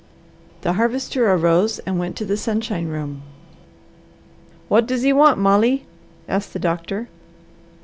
The Harvester arose and went to the sunshine room. "What does he want, Molly?" asked the doctor.